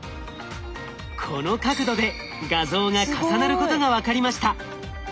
この角度で画像が重なることが分かりました。